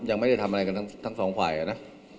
ยังไม่ได้ทำอะไรกันทั้งสองฝ่ายนะ